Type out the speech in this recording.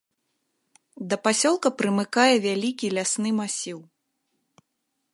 Да пасёлка прымыкае вялікі лясны масіў.